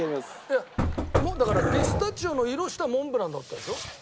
いやだからピスタチオの色したモンブランだったでしょ？